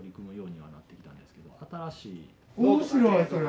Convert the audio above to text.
面白いそれ。